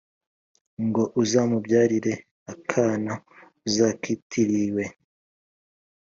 ngo azamubyarire akana azakitiriwe,